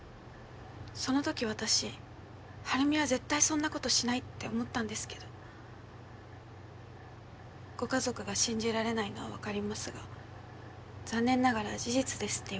そのとき私晴美は絶対そんなことしないって思ったんですけどご家族が信じられないのはわかりますが残念ながら事実ですって言われて。